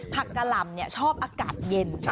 ผักกะหล่ำเนี่ยชอบอากาศเย็น